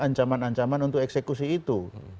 ancaman ancaman untuk eksekusi itu